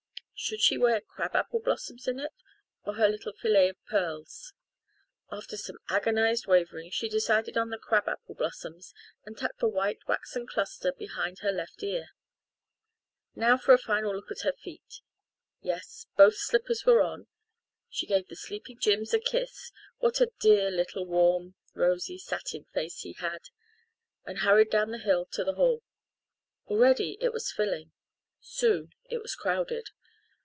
Should she wear crab apple blossoms in it, or her little fillet of pearls? After some agonised wavering she decided on the crab apple blossoms and tucked the white waxen cluster behind her left ear. Now for a final look at her feet. Yes, both slippers were on. She gave the sleeping Jims a kiss what a dear little warm, rosy, satin face he had and hurried down the hill to the hall. Already it was filling soon it was crowded.